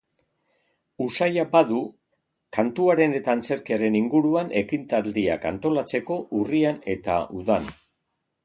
Usaia badu kantuaren eta antzerkiaren inguruan ekitaldiak antolatzeko, urrian eta udan.